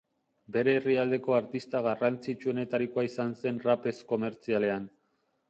Bere herrialdeko artista garrantzitsuenetarikoa izan zen rap ez komertzialean.